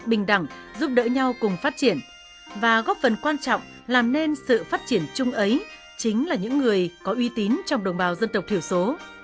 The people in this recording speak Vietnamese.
bình đẳng giúp đỡ nhau cùng phát triển và góp phần quan trọng làm nên sự phát triển chung ấy chính là những người có uy tín trong đồng bào dân tộc thiểu số